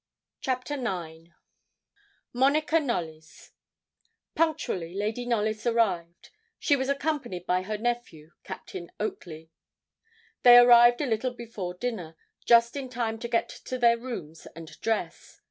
CHAPTER IX MONICA KNOLLYS Punctually Lady Knollys arrived. She was accompanied by her nephew, Captain Oakley. They arrived a little before dinner; just in time to get to their rooms and dress.